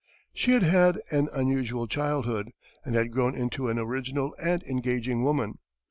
She had had an unusual childhood, and had grown into an original and engaging woman.